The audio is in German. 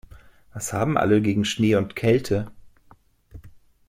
Was haben alle gegen Schnee und Kälte?